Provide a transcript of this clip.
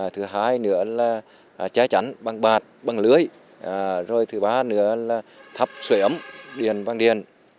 thứ hai nữa là cháy chắn bằng bạt bằng lưới rồi thứ ba nữa là thắp sữa ấm điền bằng điền